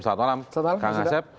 selamat malam kang asep